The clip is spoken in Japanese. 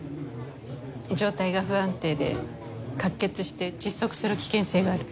状態が不安定で喀血して窒息する危険性がある。